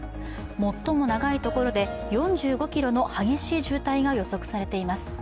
最も長いところで４５ｋｍの激しい渋滞が予測されています。